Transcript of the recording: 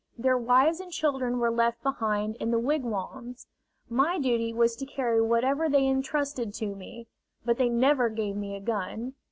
Their wives and children were left behind in the wigwams. My duty was to carry whatever they intrusted to me; but they never gave me a gun.